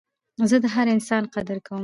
زه د هر انسان قدر کوم.